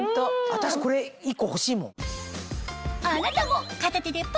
私これ１個欲しいもん。